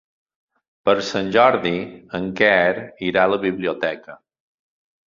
Per Sant Jordi en Quer irà a la biblioteca.